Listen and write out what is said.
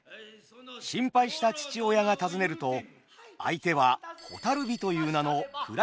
心配した父親が尋ねると相手は蛍火という名の位の高い遊女。